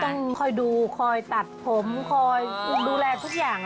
ต้องคอยดูคอยตัดผมคอยดูแลทุกอย่าง